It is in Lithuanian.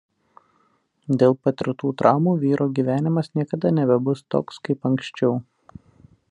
Dėl patirtų traumų vyro gyvenimas niekada nebebus toks kaip anksčiau.